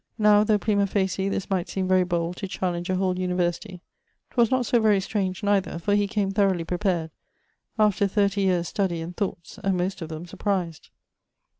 Now, though primâ facie this might seeme very bold to challenge a whole University, 'twas not so very strange neither, for he came throughly prepared, after 30 yeares' study and thoughts, and most of them surprised.